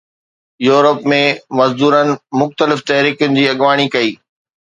Europe ۾ مزدورن مختلف تحريڪن جي اڳواڻي ڪئي